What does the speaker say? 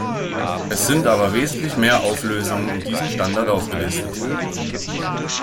Es sind aber wesentlich mehr Auflösungen in diesem Standard aufgelistet.